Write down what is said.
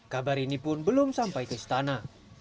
kabar ini pun belum sampai ke istana